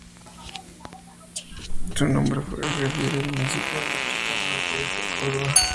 Su nombre se refiere al municipio andaluz de Cabra, en la provincia de Córdoba.